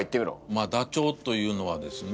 まあダチョウというのはですね